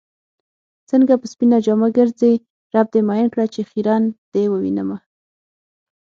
څنګه په سپينه جامه ګرځې رب دې مئين کړه چې خيرن دې ووينمه